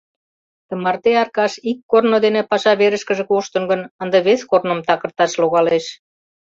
Тымарте Аркаш ик корно дене паша верышкыже коштын гын, ынде вес корным такырташ логалеш.